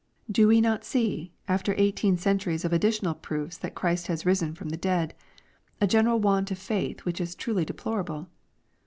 Do we not see, after eighteen centuries of additional proofs that Christ has risen from the dead, a general want of faith which is truly deplorable